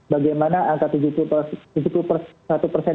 bagaimana angka tujuh puluh satu persen